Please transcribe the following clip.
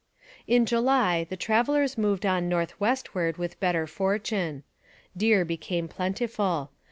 In July the travellers moved on north westward with better fortune. Deer became plentiful.